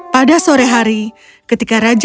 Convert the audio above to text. pada sore hari ketika raja